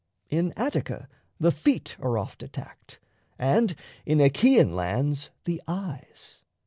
In Attica the feet are oft attacked, And in Achaean lands the eyes.